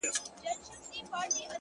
دا ده کوچي ځوانيمرگې نجلۍ تول دی _